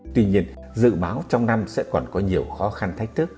tuy nhiên dự báo trong năm sẽ còn có nhiều khó khăn thách thức